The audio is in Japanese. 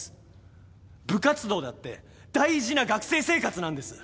部活動だって大事な学生生活なんです。